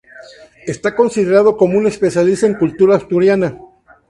Esta considerado como un especialista en cultura asturiana.